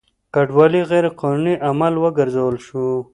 کډوالي غیر قانوني عمل وګرځول شو.